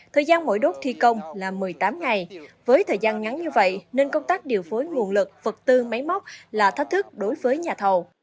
thời gian mỗi đốt thi công là một mươi tám ngày với thời gian ngắn như vậy nên công tác điều phối nguồn lực vật tư máy móc là thách thức đối với nhà thầu